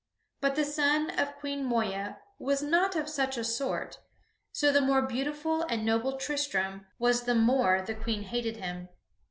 But the son of Queen Moeya was not of such a sort, so the more beautiful and noble Tristram was the more the Queen hated him.